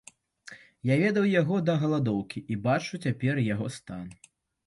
Я ведаў яго да галадоўкі і бачу цяпер яго стан.